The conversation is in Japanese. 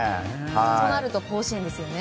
となると甲子園ですよね。